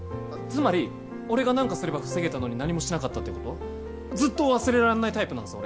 つまり俺が何かすれば防げたのに何もしなかったっていうことずっと忘れらんないタイプなんです